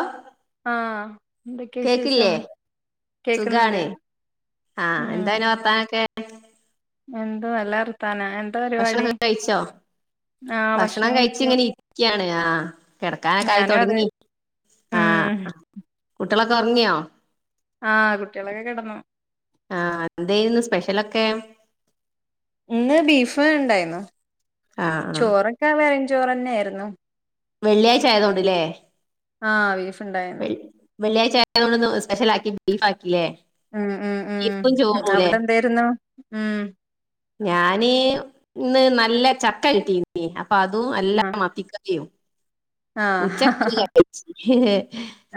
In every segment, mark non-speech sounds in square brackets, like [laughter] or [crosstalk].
ആ ആ കേക്കില്ലേ കേക്കുന്നുണ്ട് സുഖാണ് ആ എന്താ പിന്നെ വർത്താനക്ക [unintelligible] എന്തോ നല്ല വർത്താന എന്താ പരിപാടി ഭക്ഷണം കഴിച്ചോ ആഹ് ഭക്ഷണം കഴിച്ച കഴിച്ചു ഇങ്ങനെ ഇരിക്യാണ് ആ കിടക്കാനൊക്കെ ആയി ഞാനും അതെ തുടങ്ങി ആ ഉം കുട്ട്യോളൊക്കെ ഉറങ്ങിയോ ആ കുട്ടിളൊക്കെ കെടന്നു ആ എന്തേയിരുന്നു സ്പെഷ്യലൊക്കെ ഇന്ന് ബീഫ് ഇണ്ടായിന്ന് ആഹ് ആഹ് ചോറൊക്ക ചോറെന്നായിരുന്നു വെള്ളിയാഴ്ച ആയതൊണ്ട്ല്ലേ ആ [unintelligible] ഉണ്ടായിരുന്നു വെള്ളിയാഴ്ച ആയോണ്ടിന്ന് സ്പെഷൽ ആക്കി ബീഫാക്കി മ് മ് മ് ചോറൂല്ലേ അവിടെ എന്തായിരുന്നു മ് ഞാന് ഇന്ന് നല്ല ചക്ക കിട്ടീന്ന അ അതും അല്ലാ ആഹ് മത്തിക്ക [unintelligible] ഉച്ച [unintelligible] ആഹ് ഹേ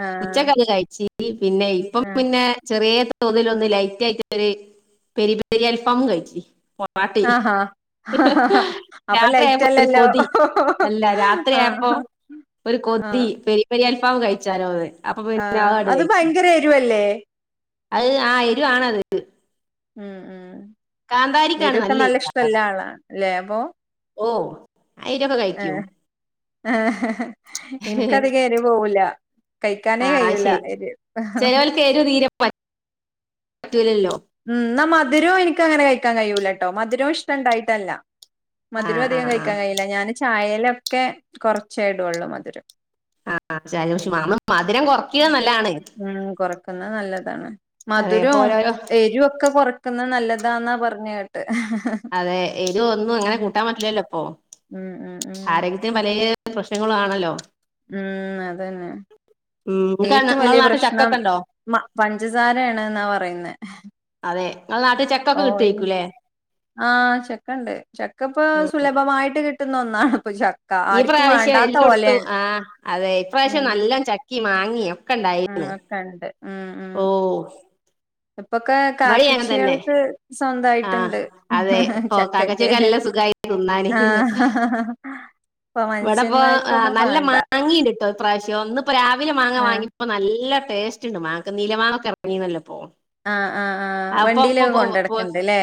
ആഹ് ഉച്ചക്കെന്താ കയച്ച [unintelligible] പിന്നെ ഇപ്പം പിന്നെ ചെറിയ തോതിലൊന്ന് ലൈറ്റ് ആയിട്ട് ഒരു പെരി പെരി അൽഫാം കഴിച്ച് പാട്ടി ആഹ് ആഹാ അപ്പൊ രാത്രി ലൈറ്റ് ആയപ്പോ ഒരു അല്ലല്ലോ കൊതി അല്ല രാത്രിയപ്പോ ആഹ് ഒരു കൊതി പെരി പെരി അൽ ഫാം കഴി [unintelligible] ആ അത് ഭയങ്കര എരുവല്ലേ അത് ആ എരു ആണത് ഉം ഉം കാന്താരിക്കാണ് നല്ല എരി ലേബോ ഓ അയിരൊക്കെ കഴിക്കോ ആ ആ എനിക്കത് കയറി പോവൂല കഴിക്കാനേ ആ കഴിയൂല ഇത് പറ്റു മ് ന്ന മധു മധുരവും എനിക്ക് അങ്ങനെ കഴിക്കാൻ കഴൂലെട്ടോ മധുരവും ഇഷ്ടണ്ടായിട്ടല്ല ആ മധുരം ആ അധികം കഴിക്കാൻ കഴിയില്ല ഞാന് ചായ അതിലൊക്കെ കുറച്ചായിടുള്ളൂ മധുരം ആ പക്ഷ നമ്മള് മധുരം കുറക്ക്ണത് നല്ലാണ് ഉം കൊറക്കുന്നത് നല്ലതാണ് അതെ അപ്പൊ ഓരോരോ എരുക്കൊ കുറയ്ക്കുന്നത് നല്ലതാന്നാ പറഞ്ഞ് കേട്ട് അതെ എരിവ് ഒന്നും അങ്ങനെ കൂട്ടാൻ പറ്റില്ലല്ലോ ഇപ്പൊ മ് മ് മ് പ്രശ്നങ്ങള് ആണല്ലോ മ് അതന്നെ ഉം നിങ്ങക്ക് ഏറ്റവും നിങ്ങളെ വലിയ നാട്ടിൽ പ്രശ്നം ചക്കൊക്കെ ഉണ്ടോ മ പഞ്ചസാരയാണെന്നാ പറയുന്നേ അതെ നിങ്ങളെ നാട്ടിൽ ചക്കൊക്കെ ഓ കിട്ടുവായിരിക്കൂല്ലേ ആ ചക്കണ്ട് ചക്ക ഇപ്പോ സുലഭമായിട്ട് കിട്ട കിട്ടുന്ന ഒന്നാണ് ഇപ്പൊ ചക്ക ഈ ആർക്കും പ്രാവശ്യം വേണ്ടാത്ത എലോട്ത്തും പോലെയാണ് ആ അതെ ഈ പ്രാവശ്യം നല്ലം ചക്ക ചക്കിം മാങ്ങിമം മ് ഒക്കെ ഉണ്ട് മ് മ് ഇപ്പൊക്കെ ഇവിടെയും അങ്ങനെ തന്നെ കാക്കച്യാള്ക്ക് ആ സ്വന്തായിട്ടുണ്ട് അതെ [inaudible] ഇപ്പൊ ചക്ക ഒക്കെ കാക്കച്ചക്ക് നല്ല സുഖമായി തിന്നാന് ആ [inaudible] ഇപ്പൊ ഇവിടെ ഇപ്പൊ മനുഷ്യന്മാർക്ക് ആ, ഒന്നും വേണ്ട ഇപ്പൊ രാവിലെ മാങ്ങ ആഹ് വാങ്ങിയപ്പോ നല്ല ടേസ്റ്റ് ഉണ്ട് മാങ്ങക്ക് നീലമാങ്ങ ഇറങ്ങിന്നല്ലപ്പോ ആഹ് ആഹ് ആഹ് ആ ഇപ്പൊ വണ്ടിയിലൊക്കെ ഇപ്പൊ കൊണ്ടടക്ക്ണ്ട് ല്ലേ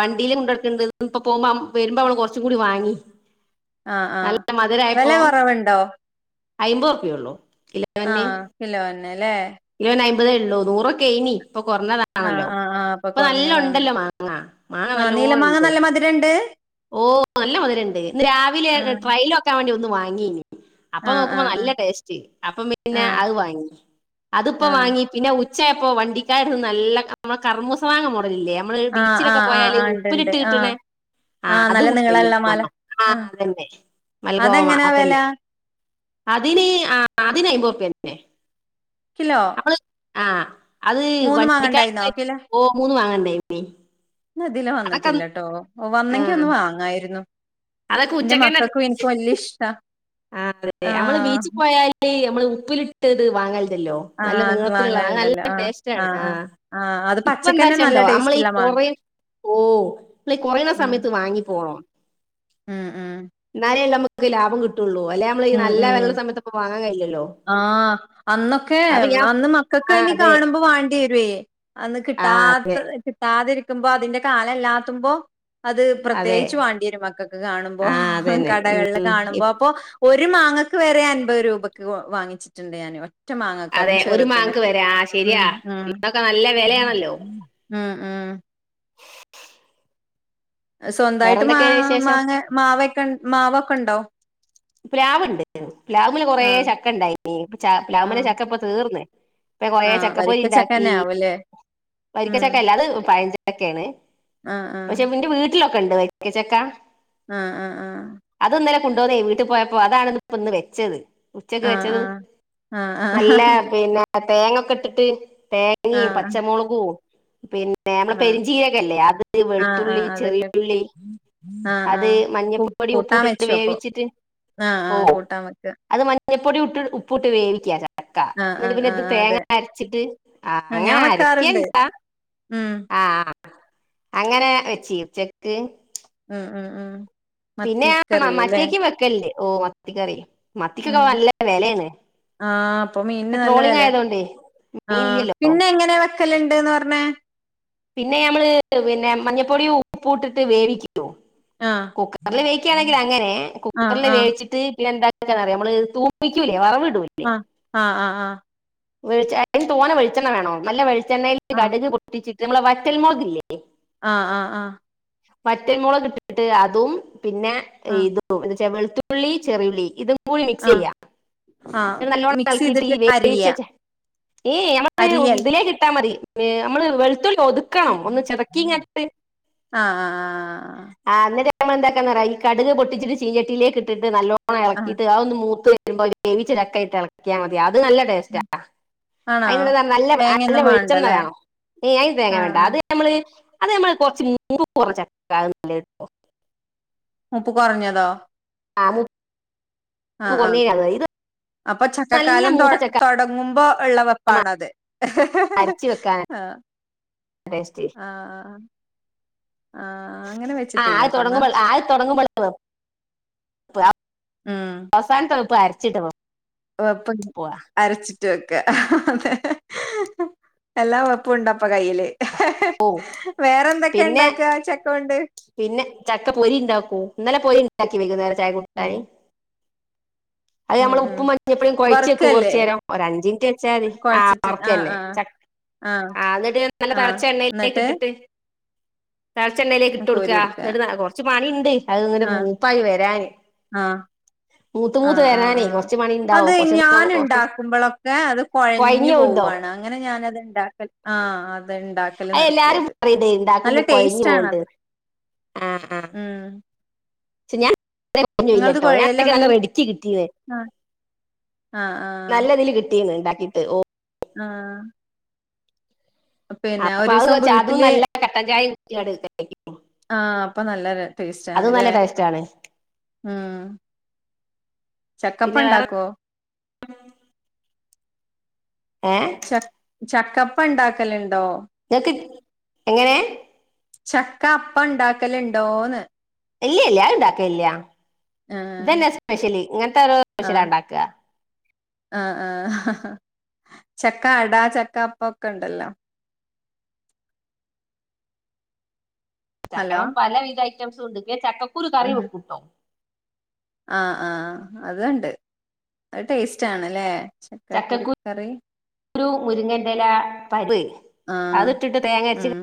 വണ്ടിയിലും കൊണ്ടടുക്കണ്ട് ഇ പോകുമ്പോ വരുമ്പോ അവ കുറച്ചു കൂടി വാങ്ങി ആഹ് ആഹ് നല്ല വെല കൊറവ്ണ്ടോ? അയ്മ്പൊർപ്യൊള്ളു. ആഹ് കിലോൻന് ലേ കിലോനയ്മ്പതേ ഒള്ളൂ. നൂറൊക്കെയ്നി ഇപ്പ ആഹ് കൊറഞ്ഞതാണല്ലോ. ആഹ് ആഹ് അപ്പൊ ഇപ്പൊ കൊറഞ്ഞതാണ് നല്ലൊണ്ടല്ലോ മാങ്ങ. മാങ്ങ ആഹ് നീലമാങ്ങ നല്ലോണ്ട്. നല്ല മധുരണ്ട് ഓഹ് നല്ല മധുരെണ്ട്. ഇന്ന് രാവിലെ ആഹ് ട്രയലോക്കാ ണ്ടി വാങ്ങിയേനി. അപ്പ ആഹ് നോക്കുമ്പോ ആഹ് നല്ല ടേസ്റ്റ്. അപ്പം പിന്നെ ആഹ് അത് വാങ്ങി. അതിപ്പം ആഹ് വാങ്ങി പിന്നെ ഉ ച്ചായപ്പോ വണ്ടിക്കാര് വന്ന് നല്ല മ്മളെ കർമൂസ മാങ്ങ മൊ ഇല്ലിയേ നമ്മള് ആഹ് ബീച്ചിലൊക്കെ ആഹ് ആഹ് പോയാല് ആഹ് ഇണ്ട് ഇണ്ട് ഉപ്പിലിട്ട് ആഹ് കിട്ടണേ ആ ആഹ് അത് നല്ല ഉപ്പിലിട്ട് നീളള്ള മാല മൂന്നെണ്ണം ആ ആഹ് അതന്നെ മൽഗോവ മാ അതെങ്ങനാ അത് വെല തന്നെ അതിന് അ അതിന് അയിൻപത് റുപിയ തന്നെ കിലോ നമ്മള് ആ അത് മൂന്ന് മാങ്ങ ഇണ്ടായിന്നോ വണ്ടിക്കാരനാ [unintelligible] ര്ക്കും കിലോ ഗോവൂന്ന് വാങ്ങണ്ടേ. [unintelligible] ഇന്ന് ഇതിലേ അതൊക്കെ അന്ന്- വന്നിട്ടില്ലട്ടോ ആ വന്നെങ്കി യൊന്ന് വാങ്ങായ്രുന്നു അതൊക്കെ ഉച്ചക്കന്നെ ഇഷ്ടാ ആനു അല്ലേ നമ്മള് ആഹ് ബീച്ചി പോയാല് - നമ്മള് ഉപ്പിലിട്ട്ത് വാങ്ങല് ല്ലോ നല്ല ആഹ് നീളത്തിലുള്ള അത് വാങ്ങല്ണ്ടല്ലോ നല്ല ആഹ് ടേസ്റ്റാണ് ആഹ് ആ ആഹ് ആഹ് അത് ഇപ്പ എന്താ പച്ചക്കന്നെ നല്ല വച്ചൊണ്ടോ നമ്മളീ ടേസ്റ്റ്ള്ള മാങ്ങ കൊറെ ഓ നമ്മളി കൊറയണ ഉം സമയത്ത് വാങ്ങി പോവും ഉം ഉം ക്ക്‌ ലാഭം കിട്ടും ഉം ഉം കഴിയില്ലല്ലോ ആ അന്നൊക്കെ അപ്പൊ ഞാൻ അന്ന് മക്കക്ക് ആ ഇനി അതെ കാണുമ്പോ വാണ്ടി വരുവേ അന്ന് ആ കിട്ടാത്തത് കിട്ടാതിരി നിക്കുമ്പോ അതിന്റെ കാലല്ലാത്തുമ്പോ അത് അതെ പ്രത്യേകിച്ച് വാണ്ട്യേരും മക്കക്ക് കാണുമ്പോ. ആഹ് അതന്നെ കടകള്ല് കാണുമ്പോ. അപ്പൊ ഒരു മാങ്ങക്ക് വെരെ അൻപത് രൂപക്ക് വാങ്ങിച്ചിട്ടിണ്ട് ഞാനിവി ഒറ്റമാങ്ങക്ക് അതും അതെ ഒരു മാങ്ക് ചെറുതിനൊക്കെ. വരെ ആ ശരിയാ ഉം ഉം അന്നൊക്കെ നല്ല വിലയാണല്ലോ ഉം. ഉം സ്വന്തായിട്ട് മാ വേറെന്തൊക്കെയാണ് വിശേഷം മാങ്ങെ മാവെക്കെണ് മാവോ? ഒക്കൊണ്ടോ പ്ലാവ്ണ്ട്. പ്‌ലാവ്മല് കൊറേ ആഹ് ചക്കണ്ടായിനി. ച പ്‌ലാവ് മലെ ആഹ് ചക്കപ്പോ തീർന്ന് പ്പൊ കൊറെ ആഹ് ചക്കപ്പൊരി ഒണ്ടാക്കി. വരിക്കച്ചക്കന്നെ ആവുല്ലേ വരിക്ക ഉം ചക്കല്ല. അത് പയഞ്ചക്കയാണ്. ആഹ് ആഹ് പക്ഷെന്റെ വീട്ടിലൊ ണ്ട് വരിക്കച്ചക്ക. ആഹ് ആഹ് ആ [unintelligible] [unintelligible] പോയപ്പോ അതാണ് ഇന്ന് വെച്ചത് ഉച്ചക്ക് ആഹ് വെച്ചത് ആഹ് ആഹ് ആഹ് നല്ല പിന്നെ ആ തേങ്ങക്കെക്കെ ഇട്ടിട്ട് തേങ്ങയും ആഹ് പച്ചമുളകും പിന് നമ്മെട ആഹ് പെരിഞ്ചീരകല്ലേ അത് ആഹ് വെളുത്തുള്ളി ആഹ് അതൊക്കെ ചെറിയുള്ളി ആഹ് അത് ആഹ് കൂ മഞ്ഞൾപ്പൊടിയും കൂട്ടാൻ ഉപ്പും ഇട്ട് വെച്ചു അപ്പൊ വേവിച്ചിട്ട് ആഹ് ആഹ് കൂട്ടാൻ വെക്ക് ഞ്ഞപ്പൊടീം [unintelligible] ഉപ്പൂടിട്ട് വേവിക്കാ ചക്കാ ആഹ് എന്നിട്ട് ആഹ് പിന്നെ ആഹ് തേങ്ങ അതെ അരച്ചിട്ട് ആഹ് അങ്ങനെ ഞാൻ വെക്കാറുണ്ട് അരക്കണ്ടാ ഉം ആഹ് ആഹ് അങ്ങനെ വെച്ച് ഉച്ചക്ക് ഉം ഉം പിന്നെ [unintelligible] മത്തിക്കറിയുല്ലേ മറ്റേക്ക് വെക്കല്ല് ഓഹ് മത്തിക്കറി മത്തിക്കൊക്കെ ഉം നല്ല വിലയാണ് ആഹ് ഇപ്പൊ മീനിന് നല്ല ട്രോളിങ് വില ആയതുകൊണ്ട് മീൻ ആഹ് ഇല്ലല്ലോ പിന്നെ എങ്ങനെ വെക്കലുണ്ടെന്ന് പറഞ്ഞേ പിന്നെ നമ്മള് പിന്നെ മഞ്ഞൾപ്പൊടിയും ഉപ്പൂടിട്ടിട്ട് വേവിക്കും ആഹ് കുക്കറിൽ വേവിക്കുകയാണെങ്കിൽ അങ്ങനെ ആഹ് കുക്കറിൽ ആഹ് വേവിച്ചിട്ട് പിന്നെന്താ [unintelligible] നമ്മള് തൂപ്പിക്കൂല്ലെ വറവി ആഹ് ആഹ് ആഹ് ആഹ് ആഹ് [unintelligible] അതിന് തോനെ വെളിച്ചെണ്ണ വേണം നല്ല വെളി വെളിച്ചെണ്ണേൽ ആഹ് കടുക് പൊട്ടിച്ചി നമ്മുടെ വറ്റൽമുളകില്ലേ ആഹ് ആഹ് ആഹ് വറ്റൽമുളക് ഇട്ടിട്ട് അതും പിന്നെ ആഹ് ഇത് വെളുത്തുള്ളി ചെറിയുള്ളി ഇത് കൂടി മിക്സ് ആഹ് ചെയ്യാം ആഹ് ആഹ് നല്ലോണ്ണം മിക്സ് ഇളക്കീട്ട് ചെയ്തിട്ട് ഈ അരിയ വേവിച്ച് വെച്ച ഈ നമ്മള് അരിയൽ ഇതിലേക്കിട്ടാ മതി ന് മ്മള് വെളുത്തുള്ളി ഒതുക്കണം ഒന്ന് ചതക്കിങ്ങെടുത്ത് ആഹ് ആഹ് ആഹ് അന്നേരം നമ്മളെന്താക്കാന്ന് അറിയുവൊ ഈ കടുക് പൊട്ടിച്ചിട്ട് ചീനച്ചട്ടിയിലേക്ക് ഇട്ടിട്ട് നല്ലോ ആഹ് ഇളക്കീട്ട് അതൊന്ന് മൂത്ത് വ വരുമ്പഴ് ചക്ക ഇട്ട് ഇളക്കിയാൽ മതി അത് അത് നല്ല ടേസ്റ്റ് ആഹ് ആ ആണോ അതിനുള്ളത നല്ല നല്ല തേങ്ങയൊന്നും വേണ്ടല്ലേ വെളിച്ചെണ്ണ വേണം അയിന് തേങ്ങ ആഹ് വേണ്ട ആഹ് അത് നമ്മള് അത് നമ്മൾ കൊറച്ച് മുമ്പ് കുറച്ച [unintelligible] ക്ക മൂപ്പ് കുറഞ്ഞതോ ആഹ് ആഹ് ആഹ് അപ്പൊ നല്ല ചക്കക്കാലം മൂത്ത തൊട്ങ്ങ് ചക്ക തൊടങ്ങുമ്പോ ഉള്ളവെപ്പാണത് അരച്ച് വെക്കാനാ ഹ്‌ഹ്ഹ്ആ ടേസ്റ്റ് ആ ആ അങ്ങനെ ആ അത് വെച്ചിട്ടില്ലട്ടോന്നാ തുടങ്ങുമ്പോ ആ അത് തുടങ്ങുമ്പോൾ ഉം അവസാനത്ത്എളുപ്പായിരു- ചിട്ടോ [unintelligible] വെപ്പ് അരച്ചിട്ട് വെക്കാ ഹഹഹ ഹഹഎല്ലാ വെപ്പുണ്ട്. അപ്പ കയ്യില് ഹഹ വേറെ എന്തൊക്കെ പിന്നെ ഉണ്ടാക്ക്വാചക്കോണ്ട്? പിന്നെ ചക്ക പൊരി ഉണ്ടാക്കും ഇന്നലെ പൊരി ഉണ്ടാക്കി വൈകുന്നേരം തേൻ ഉം മുട്ടായി അത് ഉം നമ്മൾ ഉം ഉപ്പും മഞ്ഞൾപ്പൊടി കുഴച്ചൊക്ക വറുക്കല്ലേ കൊർച്ചേരം ഒരു അഞ്ചിനിറ്റ് വെച്ചാൽ മതി ആ കൊഴച്ചിട്ട് ആഹ് തുറക്ക്ന്നെ ആഹ് ചക്ക ആഹ് ആ എന്നിട്ട് നല്ല ആഹ് തൾച്ച എണ്ണയിലേക്ക് എന്നിട്ട് ഇട്ടിട്ട് തൾച്ച എണ്ണയിൽ ട്ട് ഒട്ക്കാ കോരിയെടുക്ക ന്നട്ട് കൊറച്ച് പണിണ്ട് അത്ങ്ങട്ട് ആഹ് മൂപ്പായി വരാന് ആ ആഹ ആഹ അത് ഞാൻ കുറച്ച് ഉണ്ടാക്കുമ്പോഴൊക്കെ അത് കുഴഞ്ഞു കൊഴഞ്ഞു പോവുണ്ടോ പോവാണ് അങ്ങനെ ഞാനത്ണ്ടാക്കൽ ആ അതെ. അത് എല്ലാരും പറയ്ണ് ഉണ്ടാക്കുമ്പോ കൊഴഞ്ഞു ടേസ്റ്റാണത് പോണണ്ട്ന്ന് ആഹ് ആ ഉം പക്ഷെ ഞാൻ [unintelligible] നിങ്ങളത് ഞൻണ്ടാക്കി നല്ല കൊഴയലൊന്നുൽ റെഡി ക്ക് കിട്ടീന് ആഹ് ആഹ് ആഹ് നല്ലതില് കിട്ടീണ്ണ്ണ്ടാക്ക- ക്കീട്ട് ആഹ് പിന്നെ ഒരു അപ്പൊ അത് ദിവസം വെച്ചാ അതും വീട്ടില് നല്ല കട്ടൻ ചായയും കുടിക്കാണ് ആഹ് അപ്പൊ നല്ല ടേസ്റ്റ് ആണ് അതും അല്ലേ നല്ല ടേസ്റ്റ് ആണ് ഉം ചക്കപ്പം പിന്നെ വേറെ ഉണ്ടാക്കോ? ഏ ചക്കപ്പം ണ്ടാക്കലുണ്ടോ? ങ്ങക്ക് എങ്ങനെ? ചക്ക അപ്പംഉണ്ടാക്കലുണ്ടോന്ന്? ഇല്ല്യല്ല അത്ണ്ടാക്കലില്ല ആഹ് ഇതന്നെ സ്പെഷല് ഇങ്ങൻത്തെ ഓരോ സ്പെഷ്യലാ ഇണ്ടാക്കാ ആ ആ ചക്ക അടാ ചക്ക അപ്പം ഒക്കെ ഇണ്ടല്ലോ ചക്ക ഹലോ പലവിധ ഐ റ്റം സൂണ്ട് [unintelligible] ചക്ക കുരു കറിവെക്കൂട്ടോ. ആ ആ അത്ണ്ട് അത് ടേസ്റ്റ് ആണ് ല്ലേ. ചക്കക്കു കുരു മുരിങ്ങൻ്റെല പരിപ്പ് ആഹ് അതിട്ടിട്ട് തേങ്ങരച്ച് ഉം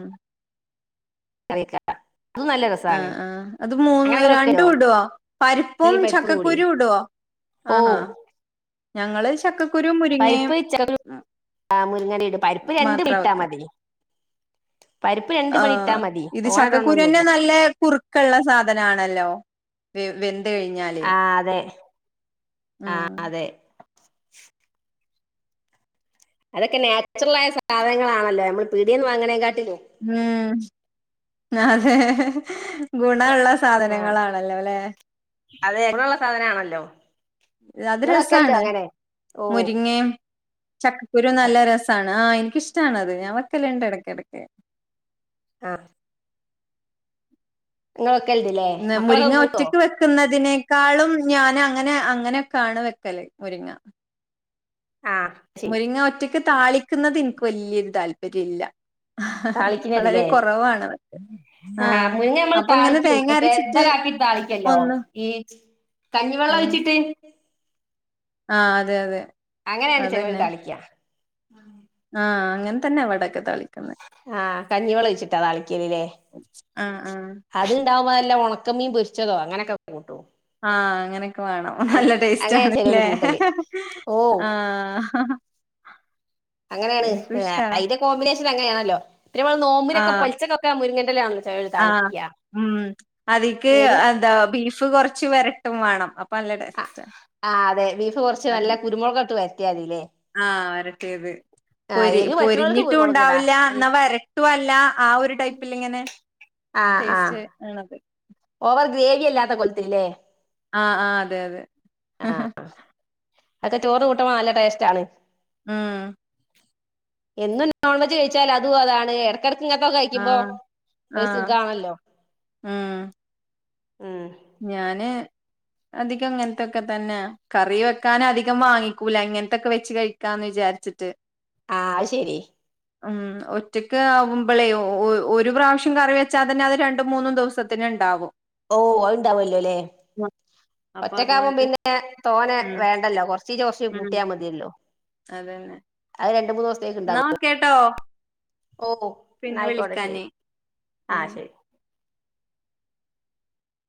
കറിവെക്കാ ആ ആ അത് മൂന്ന് ഇങ്ങള് വെക്കലോ രണ്ടും ഇടോ പരിപ്പും ഉള്ളി കൂടി ചക്കക്കുരും ഇടോ ഓ ആഹാ ഞങ്ങള് ചക്ക പരിപ്പ് ചരു മുരിങ്ങ ഇല ഇടും, പരിപ്പ് രണ്ട് മണി ഇട്ടാ മതി. പരിപ്പ് രണ്ട് ആ മണി ഇട്ടാ മതി ഇത് തോനെ ചക്കക്കുരുന്നെ ഇടണൊന്നുല്ല നല്ല കുറുക്കുള്ള സാധനാണല്ലോ വേ വെന്ത് കഴിഞ്ഞാല് ആ അതെ ആ ഉം അതെ അതൊക്കെ നാച്ചുറൽ ആയ സാധനങ്ങളാണല്ലോ നമ്മള് പിടിയേന്ന് വാങ്ങണേക്കാ ഉം അതെ ഗുണ ഉള്ള ആ സാധനങ്ങളാണല്ലോ അല്ലെ അതെ ഗുണള്ള സാധനാണല്ലോ അത് ഇങ്ങള് വെക്കലുണ്ടോ രസാണ് അങ്ങനെ ഓ മുരിങ്ങേം ചക്കക്കുരു നല്ല രസാണ് ആ ഇഷ്ടാണത് ഞാൻ വക്കല്ണ്ട് ഇടക്കൊക്കേ ആ ങ്ങള് ന്ന് മുരിങ്ങ ഒറ്റക്ക് വെക്കുന്നതിനേ ക്കാളും ഞാന് അങ്ങനെ അങ്ങനെയൊക്കാണ് വെക്കല് മുരിങ്ങ. ആ ശരി മുരിങ്ങ ഒറ്റ താളിക്കുന്നത് എനിക്ക് വല്യൊരു താല്പരില്ല താളിക്കുന്നതില്ലേ ആ മുരിങ്ങ നമ്മള് അപ്പൊ ഇങ്ങനെ താളിക്കും തേങ്ങ വെറുതെ അരച്ചിട്ട് കാട്ടി താളിക്കല്ലോ ഒന്ന് ഈ കഞ്ഞിവെള്ളം ഉം. ഒഴിച്ചിട്ട് ആ അതെ അതെ അങ്ങനെയാണ് ചെലവര് അതന്നെ താളിക്ക ഉം ആ അങ്ങനെ തന്നെ വടൊക്കൊ ആ കഞ്ഞിവെള്ളൊഴിച്ചിട്ടാ താളിക്കല് ലെ ആ ആ അത്ണ്ടാവുമ്പോ നല്ല ഒണ ക്ക മീൻ പൊര്ച്ചതോ അങ്ങനൊക്കെ കൂട്ടും ആ അങ്ങനൊക്കെ വേണം അങ് നല്ല അങ്ങനെ ചിലവര് ടേസ്റ്റാണ്ലെ കൂട്ടല് ഓ ആഹ് അങ്ങനേണ് ഐന്റെ കോമ്പിനേഷൻ അങ്ങനേണല്ലൊ പിന്നമ്മള് നോമ്പനൊക്കെ പൊൽച്ചക്കൊക്കെ മുര്ങ്ങ ൻ്റല ആ ഉം അതിക്ക് എരു എന്താ ബീഫ് കൊർച്ച് വര ട്ടും വേണം അപ്പം നല്ല ആഹ് ടേസ്റ്റാ ആഹ് അതെ ബീഫ് കുറച്ച് നല്ല അതിന്റെ കുരുമുളക് ഇട്ട് വരട്ടിയാ മതില്ലേ ആ വരട്ടിയത് ആഹ് പൊരി എരു പറ്റുന്നവർക്ക് കുരുമുളക് ഇടാ പൊരിഞ്ഞിട്ടുണ്ടാവില്ല അല്ല എന്നാ വരട്ടുഅല്ലാ ആ ഒരു ടൈപ്പിലിങ്ങനെ ആഹ് ആഹ് ടേസ്റ്റ് ആണത് ഓവർ ഗ്രേവി ആല്ലാത്ത കോൽത്തില് ലെ ആ ആ അതെ അതെ ആ ആക്കെ ചോറ്ന് കൂട്ടുമ്പോ നല്ല ടേസ്റ്റാണ് ഉം എന്നും നോൺവെജ് കഴിച്ചാല് അതും അതാണ് എ ടക്കിടക്ക് ഇങ്ങൻത്തൊക്കെ കഴിക്കുമ്പോ ആഹ് ഒരു ആഹ് സുഖാണല്ലോ ഉം ഉം ഞാന് അധികം ഇങ്ങൻത്തൊക്കെ തന്നാ കറി വെക്കാന് അധികം വാങ്ങിക്കൂല ഇങ്ങൻത്തൊക്കെ വെച്ച് കഴിക്കാന്ന് വിചാര്ച്ചിട്ട് ആ ശെരി ഉം ഒറ്റക്ക് ആകുമ്പളെ ഒ ഒ ഒരു പ്രാവശ്യം കറി വെച്ചാ തന്നെ അത് രണ്ടും മൂന്നും ദിവസത്തിന് ഇണ്ടാവും ഓ അ- ണ്ടാവല്ലൊലെ അപ്പൊ ഒറ്റക്കാവുമ്പം അതുകൊണ്ട് പിന്നെ തോനെ ഉം വേണ്ടല്ലോ കൊർച്ചീച്ച കൊർച്ച് ഉം കുട്ടിയാ മതില്ലോ അ അ [unintelligible] ന്നാ കേട്ടോ ഓ ഓ ന്നായിക്കോട്ടെ ശെരി ആ ഉം ശെരി